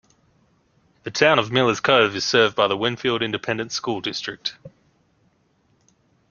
The Town of Miller's Cove is served by the Winfield Independent School District.